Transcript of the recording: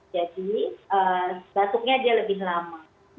jadi batuknya dia lebih lama